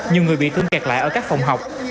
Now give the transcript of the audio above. nhiều người bị thương kẹt lại ở các phòng học